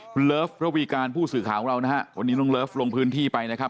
คุณเลิฟระวีการผู้สื่อข่าวของเรานะฮะวันนี้น้องเลิฟลงพื้นที่ไปนะครับ